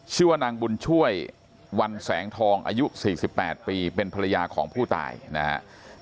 ชื่อว่านางบุญช่วยวันแสงทองอายุ๔๘ปีเป็นภรรยาของผู้ตายนะครับ